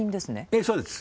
ええそうです。